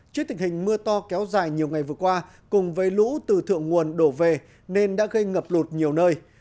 trước tình hình mưa to kéo dài nhiều ngày vừa qua cùng với lũ từ thượng nguồn đổ về nên đã gây ngập lụt nhiều nơi